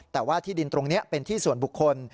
แต่ว่าที่ดินตรงนี้เป็นที่ส่วนบุคคล